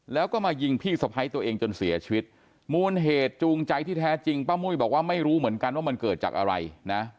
แล้วก็มายิงพี่สะพ้ายตัวเองจนเสียชีวิตมูลเหตุจูงใจที่แท้จริงป้ามุ้ยบอกว่าไม่รู้เหมือนกันว่ามันเกิดจากอะไรนะ